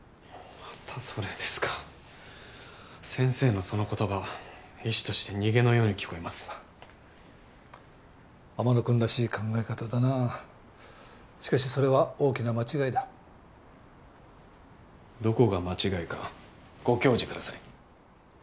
またそれですか先生のその言葉は医師として逃げのように聞こえます天野くんらしい考え方だなあしかしそれは大きな間違いだどこが間違いかご教示ください